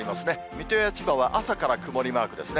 水戸や千葉は朝から曇りマークですね。